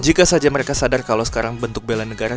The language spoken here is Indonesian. jika saja mereka sadar kalau sekarang bentuk bela negara